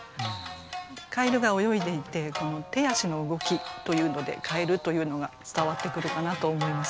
蛙が泳いでいてこの手足の動きというので蛙というのが伝わってくるかなと思います。